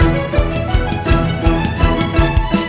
nan aku macem gita ya